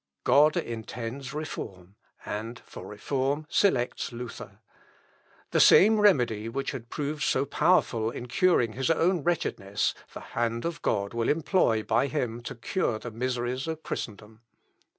God intends reform, and for reform selects Luther. The same remedy which had proved so powerful in curing his own wretchedness, the hand of God will employ by him to cure the miseries of Christendom.